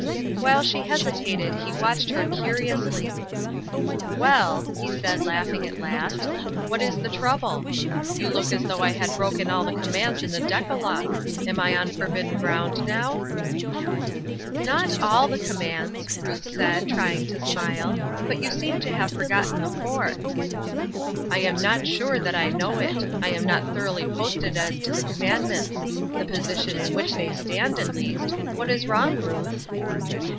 While she hesitated he watched her curiously. " Well," he said, laughing, at last, " what ia ''Hearken Unto Me^ 869 fche trouble ? You look as though I had broken all the commands in the Decalogue. Am I on forbidden ground now ?" "Not all the commands," Ruth said, trying to smile ;" but you seem to have forgotten the Fourth." " I am not sure that I know it. I am not thoroughly posted as to the commandments — the position in which they stand at least. What is wrong, Ruth